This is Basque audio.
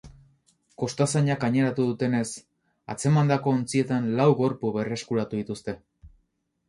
Kostazainak gaineratu dutenez, atzemandako ontzietan lau gorpu berreskuratu dituzte.